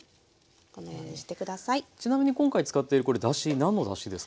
ちなみに今回使っているだし何のだしですか？